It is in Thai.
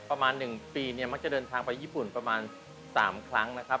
ประมาณ๑ปีเนี่ยมักจะเดินทางไปญี่ปุ่นประมาณ๓ครั้งนะครับ